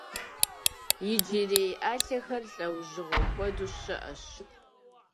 Иджырей ӏэлъэхэр лӏэужьыгъуэ куэду щыӏэщ.